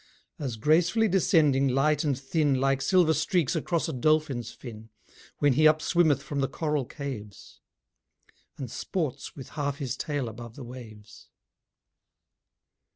As gracefully descending, light and thin, Like silver streaks across a dolphin's fin, When he upswimmeth from the coral caves. And sports with half his tail above the waves.